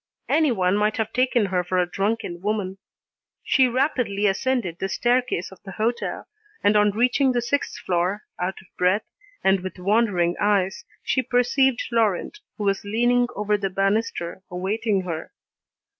Anyone might have taken her for a drunken woman. She rapidly ascended the staircase of the hotel, and on reaching the sixth floor, out of breath, and with wandering eyes, she perceived Laurent, who was leaning over the banister awaiting her.